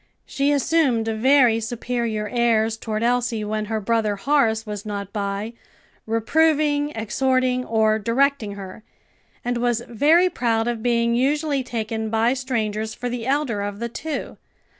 She assumed very superior airs toward Elsie when her brother Horace was not by, reproving, exhorting, or directing her; and was very proud of being usually taken by strangers for the elder of the two.